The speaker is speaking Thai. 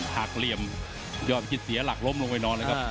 เหลี่ยมยอดคิดเสียหลักล้มลงไปนอนเลยครับ